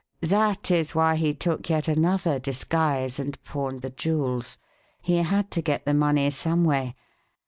That is why he took yet another disguise and pawned the jewels. He had to get the money some way.